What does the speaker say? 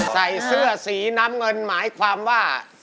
ใส่เสื้อสีน้ำเงินหมายความว่า